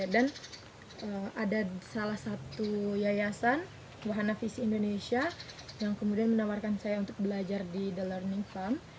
dan ada salah satu yayasan wahana fisi indonesia yang kemudian menawarkan saya untuk belajar di the learning farm